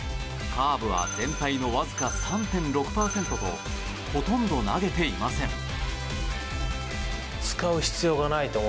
カーブは全体のわずか３．６％とほとんど投げていません。